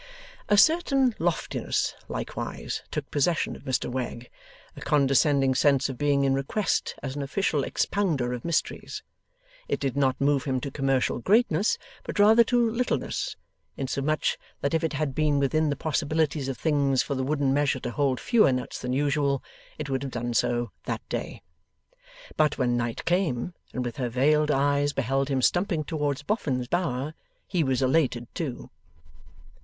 A certain loftiness, likewise, took possession of Mr Wegg; a condescending sense of being in request as an official expounder of mysteries. It did not move him to commercial greatness, but rather to littleness, insomuch that if it had been within the possibilities of things for the wooden measure to hold fewer nuts than usual, it would have done so that day. But, when night came, and with her veiled eyes beheld him stumping towards Boffin's Bower, he was elated too.